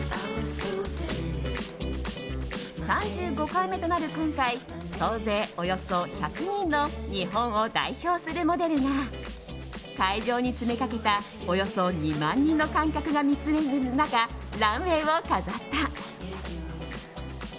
３５回目となる今回総勢およそ１００人の日本を代表するモデルが会場に詰めかけたおよそ２万人の観客が見つめる中ランウェーを飾った。